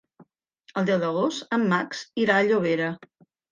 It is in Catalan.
El deu d'agost en Max irà a Llobera.